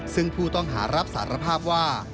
ซึ่งผู้ต้องหารับสารภาพว่า